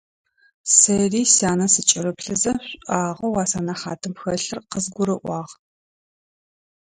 Сэри сянэ сыкӀырыплъызэ, шӀуагъэу а сэнэхьатым хэлъыр къызгурыӀуагъ.